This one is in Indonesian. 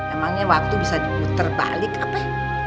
emangnya waktu bisa diputar balik apa